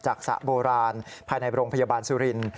สระโบราณภายในโรงพยาบาลสุรินทร์